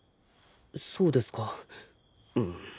そうですかうん。